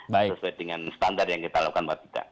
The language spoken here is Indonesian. sesuai dengan standar yang kita lakukan buat kita